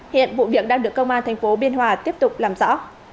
hiện vụ việc đang được công an thành phố biên hòa tiếp tục làm rõ